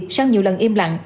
sau nhiều lần im lặng